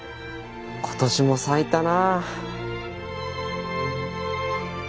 今年も咲いたな。